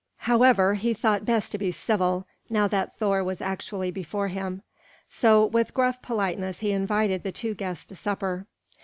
However, he thought best to be civil, now that Thor was actually before him. So with gruff politeness he invited the two guests to supper.